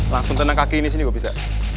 langsung tenang kaki ini sini juga bisa